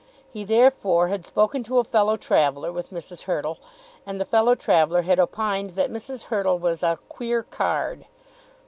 He therefore had spoken to a fellow traveller with Mrs. Hurtle, and the fellow traveller had opined that Mrs. Hurtle was "a queer card."